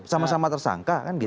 sama sama tersangka kan gitu